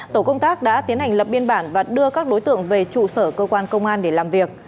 tổ công tác đã tiến hành lập biên bản và đưa các đối tượng về trụ sở cơ quan công an để làm việc